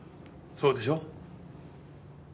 そうでしょ？